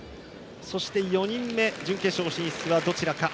そして、４人目準決勝進出はどちらか。